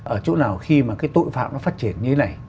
ở chỗ nào khi mà cái tội phạm nó phát triển như thế này